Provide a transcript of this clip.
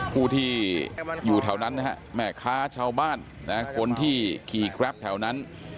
ผู้ที่อยู่แถวนั้นนะฮะแม่ค้าชาวบ้านคนที่ขี่แกรปแถวนั้น